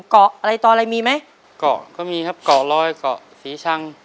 เกาะอะไรต่ออะไรมีไหมเกาะก็มีครับเกาะลอยเกาะศรีชัง